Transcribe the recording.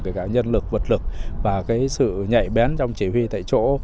kể cả nhân lực vật lực và cái sự nhạy bén trong chỉ huy tại chỗ